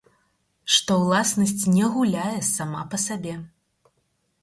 Што ўласнасць не гуляе сама па сабе.